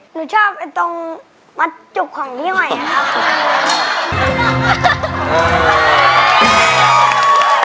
หนูชอบไอ้ตรงมัดจุกของพี่หอยนะครับ